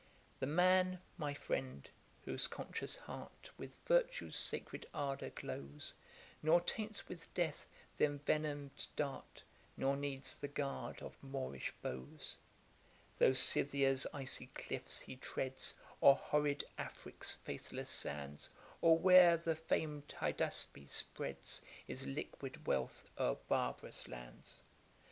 The man, my friend, whose conscious heart With virtue's sacred ardour glows, Nor taints with death the envenom'd dart, Nor needs the guard of Moorish bows: Though Scythia's icy cliffs he treads, Or horrid Africk's faithless sands; Or where the fam'd Hydaspes spreads His liquid wealth o'er barbarous lands.